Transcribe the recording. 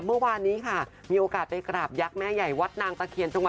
เมื่อวานนี้ค่ะมีโอกาสไปกราบยักษ์แม่ใหญ่วัดนางตะเคียนจังหวัด